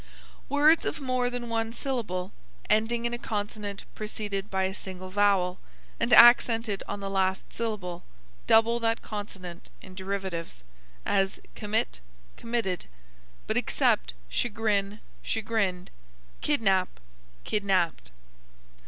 Words of more than one syllable, ending in a consonant preceded by a single vowel, and accented on the last syllable, double that consonant in derivatives; as commit, committed; but except chagrin, chagrined; kidnap, kidnaped.